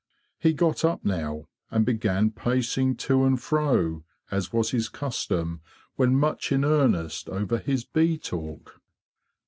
He got up now and began pacing to and fro, as was his custom when much in earnest over his bee talk.